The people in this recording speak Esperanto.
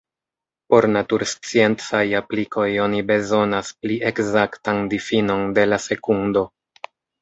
Por natursciencaj aplikoj oni bezonas pli ekzaktan difinon de la sekundo.